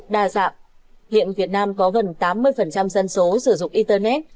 đa dạng hiện việt nam có gần tám mươi dân số sử dụng internet